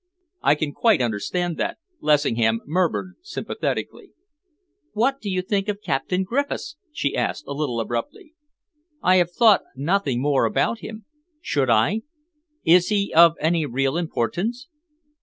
"I can quite understand that," Lessingham murmured sympathetically. "What do you think of Captain Griffiths?" she asked, a little abruptly. "I have thought nothing more about him. Should I? Is he of any real importance?"